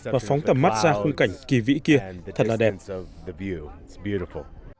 và phóng tầm mắt ra khung cảnh kỳ vĩ kia thật là đẹp